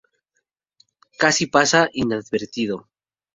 Casi pasa inadvertido.